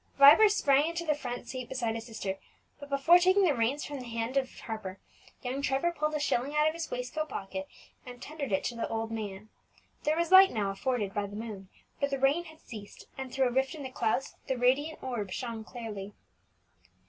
Vibert sprang into the front seat beside his sister, but before taking the reins from the hand of Harper, young Trevor pulled a shilling out of his waistcoat pocket, and tendered it to the old man. There was light now afforded by the moon, for the rain had ceased, and through a rift in the clouds the radiant orb shone clearly.